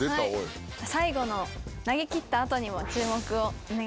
最後の投げきった後にも注目をお願いします。